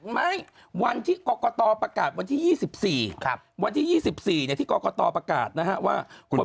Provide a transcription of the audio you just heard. ไม่วันที่กรกตประกาศวันที่๒๔วันที่๒๔ที่กรกตประกาศนะฮะว่า